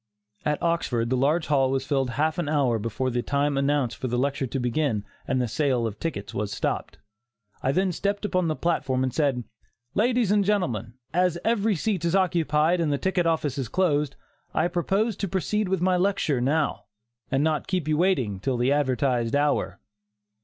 At Oxford the large hall was filled half an hour before the time announced for the lecture to begin and the sale of tickets was stopped. I then stepped upon the platform, and said: "Ladies and Gentlemen: As every seat is occupied and the ticket office is closed, I propose to proceed with my lecture now, and not keep you waiting till the advertised hour."